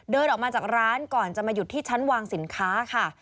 เดินออกมาจากร้านก่อนจะมาหยุดที่ชั้นวางสินค้าค่ะ